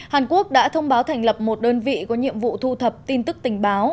hàn quốc đã thông báo thành lập một đơn vị có nhiệm vụ thu thập tin tức tình báo